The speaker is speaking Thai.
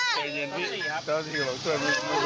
ใจเย็นใจเย็นใจเย็นพี่นี่ครับ